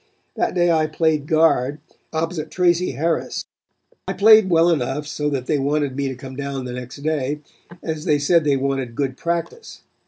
That day I played guard opposite Tracy Harris. I played well enough so that they wanted me to come down the next day, as they said they wanted good practice.